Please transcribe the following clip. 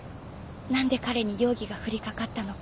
何で彼に容疑が降り掛かったのか。